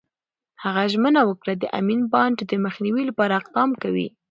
هغه ژمنه وکړه، د امین بانډ د مخنیوي لپاره اقدام کوي.